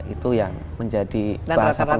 itu yang menjadi bahasa pemerintah